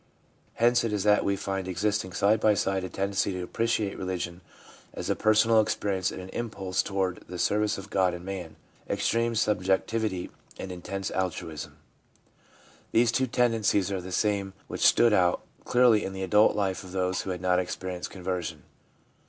Hence it is that we find existing side by side a tendency to appreciate religion as a personal experience and an impulse toward the service of God and man — extreme subjectivity and intense altruism. SANCTIFICATION 391 These two tendencies are the same which stood out clearly in the adult life of those who had not experienced conversion.